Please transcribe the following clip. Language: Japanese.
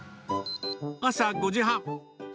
朝５時半。